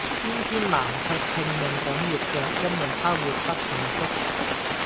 偏偏南卻拼命想活著，因為她活得幸福